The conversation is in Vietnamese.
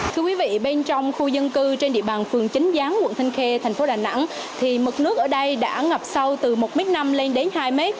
thưa quý vị bên trong khu dân cư trên địa bàn phường chính gián quận thanh khê thành phố đà nẵng thì mực nước ở đây đã ngập sâu từ một m năm lên đến hai m